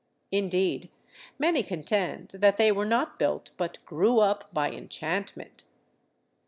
Indeed, many contend that they were not built, but grew up by enchantment.